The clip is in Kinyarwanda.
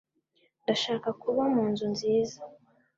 Ndashaka kuba mu nzu nziza.